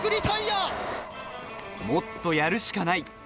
もっとやるしかない。